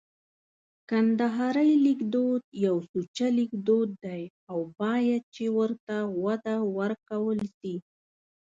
کندهارۍ لیکدود یو سوچه لیکدود دی او باید چي ورته وده ورکول سي